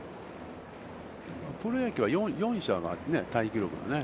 プロ野球は４者がタイ記録やね。